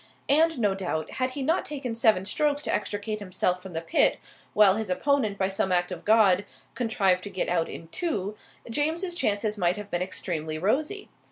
And no doubt, had he not taken seven strokes to extricate himself from the pit, while his opponent, by some act of God, contrived to get out in two, James's chances might have been extremely rosy.